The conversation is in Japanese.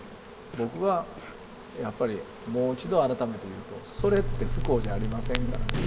僕はやっぱりもう一度改めて言うとそれって不幸じゃありませんから。